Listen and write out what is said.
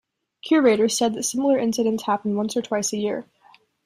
Curators said that similar incidents happen once or twice a year.